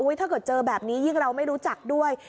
ถ้าเกิดเจอแบบนี้ยิ่งเราไม่รู้จักด้วย